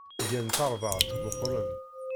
Gan-d tarbaεt meqqren.